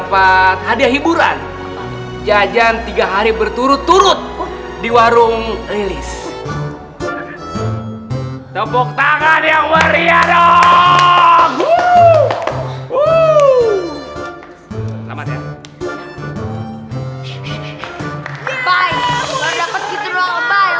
hai hai hai hai hai hai hai hai hai hai hai hai hai hai hai hai hai hai hai hai hai hai hai